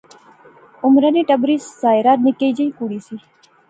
عمرانے نی ٹبری ساحرہ نکی جئی کڑی سی